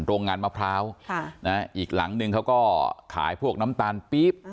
โรงงานมะพร้าวอีกหลังนึงเขาก็ขายพวกน้ำตาลปี๊บ